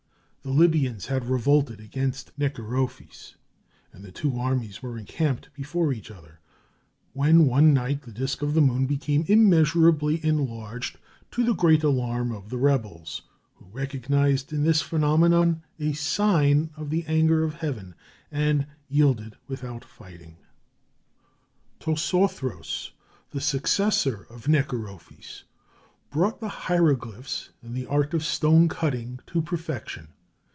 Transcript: The Libyans had revolted against Necherophes, and the two armies were encamped before each other, when one night the disk of the moon became immeasurably enlarged, to the great alarm of the rebels, who recognized in this phenomenon a sign of the anger of heaven, and yielded without fighting. Tosorthros, the successor of Necherophes, brought the hieroglyphs and the art of stone cutting to perfection.